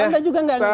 anda juga nggak ngerti